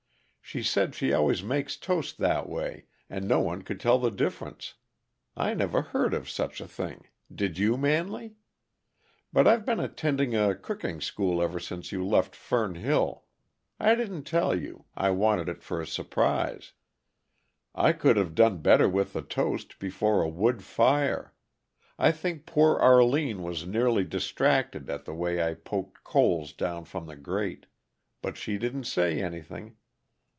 "She said she always makes toast that way, and no one could tell the difference! I never heard of such a thing did you, Manley? But I've been attending a cooking school ever since you left Fern Hill. I didn't tell you I wanted it for a surprise. I could have done better with the toast before a wood fire I think poor Arline was nearly distracted at the way I poked coals down from the grate; but she didn't say anything.